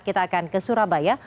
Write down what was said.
kita akan ke surabaya